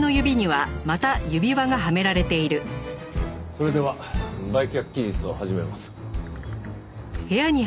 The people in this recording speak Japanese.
それでは売却期日を始めます。